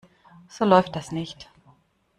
So läuft das nicht.